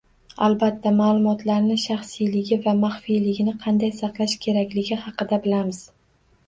Albatta, maʼlumotlarni shaxsiyligi va maxfiyligini qanday saqlash kerakligi haqida bilamiz.